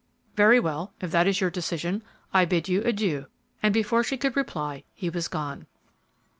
"Very well; if that is your decision, I bid you adieu," and before she could reply, he was gone.